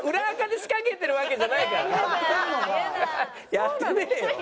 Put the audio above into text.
やってねえよ。